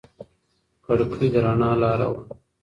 کړکۍ د رڼا لاره وه.